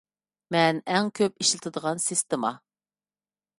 مەن ئەڭ كۆپ ئىشلىتىدىغان سىستېما.